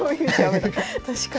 確かに。